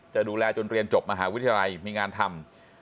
จะดูแลจนเรียนจบมหาวิทยาลัยมีงานทำ